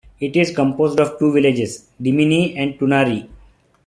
It is composed of two villages, Dimieni and Tunari.